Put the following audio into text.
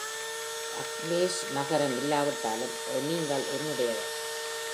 Urkesh நகரம் இல்லாவிட்டாலும் நீங்கள் என்னுடையவர்.